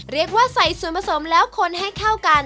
เรียกว่าใส่ส่วนผสมแล้วคนให้เข้ากัน